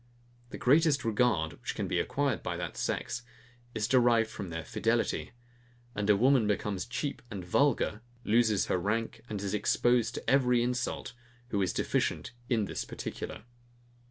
The greatest regard, which can be acquired by that sex, is derived from their fidelity; and a woman becomes cheap and vulgar, loses her rank, and is exposed to every insult, who is deficient in this particular.